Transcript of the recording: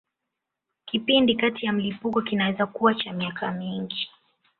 Kipindi kati ya milipuko kinaweza kuwa cha miaka mingi.